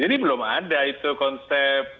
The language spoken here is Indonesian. jadi belum ada itu konsep